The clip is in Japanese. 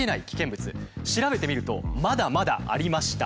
調べてみるとまだまだありました。